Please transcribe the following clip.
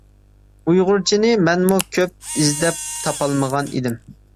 ! ئۇيغۇرچىنى مەنمۇ كۆپ ئىزدەپ تاپالمىغان ئىدىم!